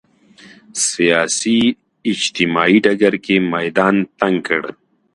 سیاسي اجتماعي ډګر کې میدان تنګ کړ